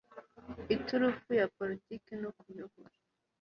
iturufu ya poritiki no kuyobora